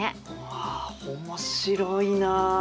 わあ面白いなあ。